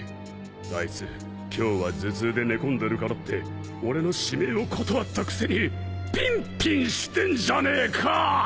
あいつ今日は頭痛で寝込んでるからって俺の指名を断ったくせにぴんぴんしてんじゃねえか！